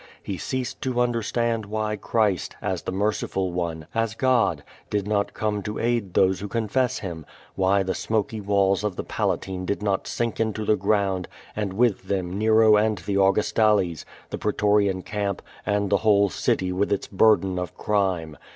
He ceased to understand why Christ, as the Merciful One, as God, did not come to aid those who confess Him — why the smoky walls of the Palatine did not sink into the ground, and with them Xero and the Augustales, the pre toriaii camp, and the whole city with its burden of crime.